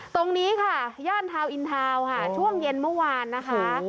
ตรงนี้ค่ะย่านทาวนอินทาวน์ค่ะช่วงเย็นเมื่อวานนะคะ